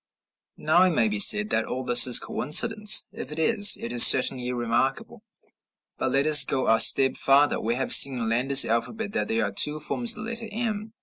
Now it may be said that all this is coincidence. If it is, it is certainly remarkable. But let us go a step farther: We have seen in Landa's alphabet that there are two forms of the letter m.